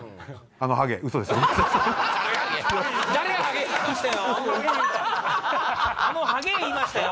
「あのハゲ」言いましたよ。